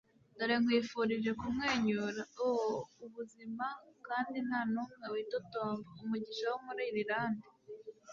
dore nkwifurije kumwenyura o 'ubuzima kandi nta numwe witotomba. - umugisha wo muri irilande